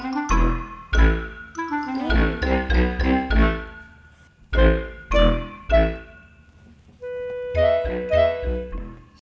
ntar berhenti minah